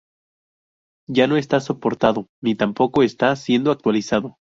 Ya no está soportado, ni tampoco está siendo actualizado.